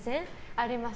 あります。